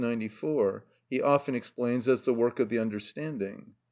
94) he often explains as the work of the understanding.